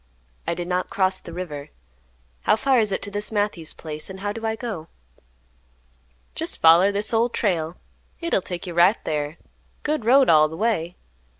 "I did not cross the river. How far is it to this Matthews place, and how do I go?" "Jest foller this Old Trail. Hit'll take you right thar. Good road all th' way.